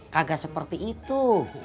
kagak seperti itu